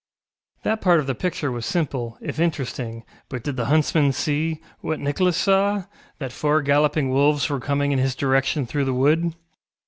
That part of the picture was simple, if interesting, but did the huntsman see, what Nicholas saw, that four galloping wolves were coming in his direction through the wood?